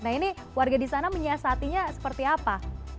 nah ini warga di sana menyiasatinya seperti apa